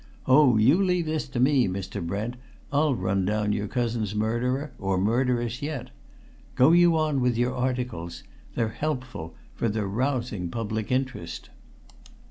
Oh, you leave this to me, Mr. Brent, I'll run down your cousin's murderer or murderess yet! Go you on with your articles they're helpful, for they're rousing public interest."